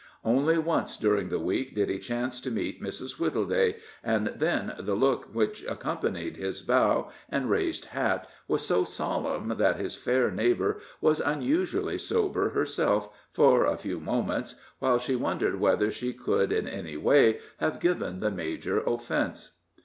Only once during the week did he chance to meet Mrs. Wittleday, and then the look which accompanied his bow and raised hat was so solemn, that his fair neighbor was unusually sober herself for a few moments, while she wondered whether she could in any way have given the major offense.